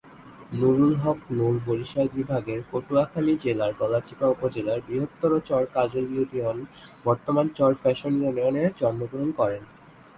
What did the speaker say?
নুরুল হক নুর বরিশাল বিভাগের পটুয়াখালী জেলার গলাচিপা উপজেলার বৃহত্তর চর কাজল ইউনিয়ন বর্তমান চর বিশ্বাস ইউনিয়নে জন্মগ্রহণ করেন।